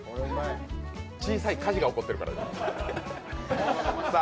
小さい火事が起こってるからね。